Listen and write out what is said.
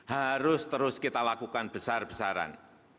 harus terus kita lakukan besar besaran